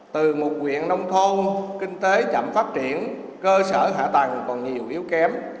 từ một quyện nông thôn kinh tế chậm phát triển cơ sở hạ tầng còn nhiều yếu kém